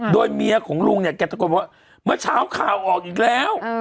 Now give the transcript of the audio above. โดยเมียของลุงเนี่ยแกตะโกนว่าเมื่อเช้าข่าวออกอีกแล้ว